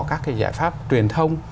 các cái giải pháp truyền thông